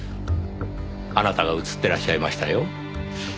あなたが映ってらっしゃいましたよ。